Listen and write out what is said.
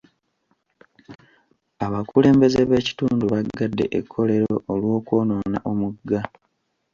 Abakulembeze b'ekitundu baggadde ekkolero olw'okwonoona omugga.